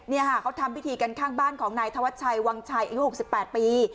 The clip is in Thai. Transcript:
เนี่ยฮะเขาทำพิธีกันข้างบ้านของนายทวชัยวังชัยอีกหกสิบแปดปี